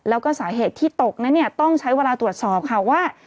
แล้วก็สาเหตุที่ตกนั้นเนี่ยต้องใช้เวลาตรวจสอบค่ะว่า